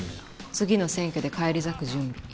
次の選挙で返り咲く準備。